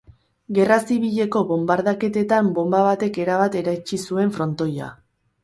Gerra Zibileko bonbardaketetan bonba batek erabat eraitsi zuen frontoia.